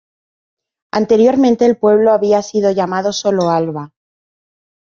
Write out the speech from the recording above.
Anteriormente el pueblo había sido llamado sólo Alba.